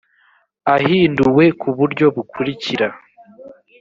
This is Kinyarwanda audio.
ahinduwe ku buryo bukurikira